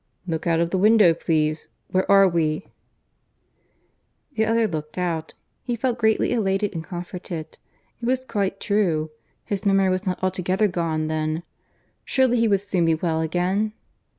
"Look out of the window, please. Where are we?" The other looked out. (He felt greatly elated and comforted. It was quite true; his memory was not altogether gone then. Surely he would soon be well again!)